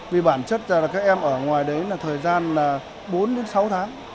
vì bản chất là các em ở ngoài đấy là thời gian là bốn đến sáu tháng